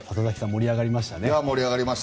盛り上がりましたね。